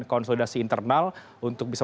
konsolidasi internal untuk bisa